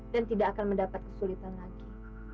dan tidak akan mendapat kesulitan lagi